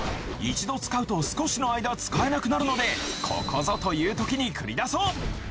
一度使うと少しの間使えなくなるのでここぞというときに繰り出そう！